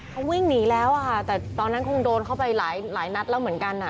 เขาวิ่งหนีแล้วอะค่ะแต่ตอนนั้นคงโดนเข้าไปหลายนัดแล้วเหมือนกันอ่ะ